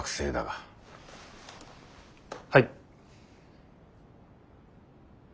はい。